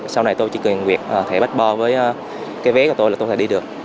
sau này tôi chỉ cần việc thẻ bách bò với cái vé của tôi là tôi có thể đi được